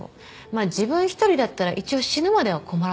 まあ自分１人だったら一応死ぬまでは困らない。